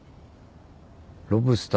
ロブスター。